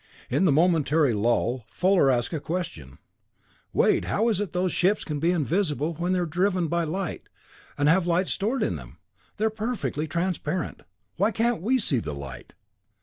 In the momentary lull, Fuller asked a question. "Wade, how is it that those ships can be invisible when they are driven by light, and have the light stored in them? They're perfectly transparent. Why can't we see the light?"